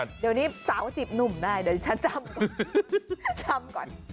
เดี๋ยวนี้สาวจีบหนุ่มได้เดี๋ยวฉันจำก่อน